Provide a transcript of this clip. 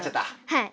はい。